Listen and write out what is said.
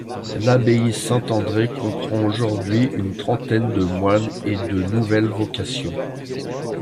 L'abbaye Saint-André comprend aujourd'hui une trentaine de moines et de nouvelles vocations.